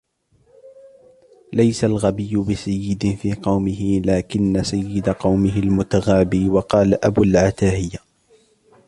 لَيْسَ الْغَبِيُّ بِسَيِّدٍ فِي قَوْمِهِ لَكِنَّ سَيِّدَ قَوْمِهِ الْمُتَغَابِي وَقَالَ أَبُو الْعَتَاهِيَةِ